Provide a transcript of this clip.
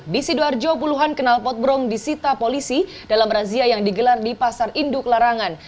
di sidoarjo puluhan kenal potbrong disita polisi dalam razia yang digelar di pasar induk larangan